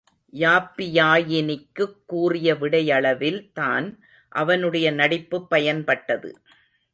யாப்பியாயினிக்குக் கூறிய விடையளவில் தான் அவனுடைய நடிப்புப் பயன்பட்டது.